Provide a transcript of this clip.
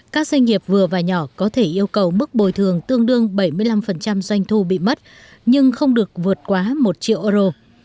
các doanh nghiệp vừa và nhỏ có thể yêu cầu mức bồi thường tương đương bảy mươi năm doanh thu bị mất nhưng không được vượt quá một triệu euro